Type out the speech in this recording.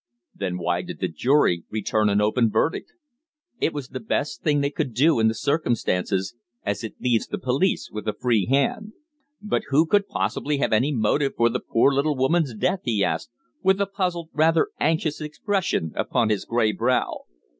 "Then why did the jury return an open verdict?" "It was the best thing they could do in the circumstances, as it leaves the police with a free hand." "But who could possibly have any motive for the poor little woman's death?" he asked, with a puzzled, rather anxious expression upon his grey brow.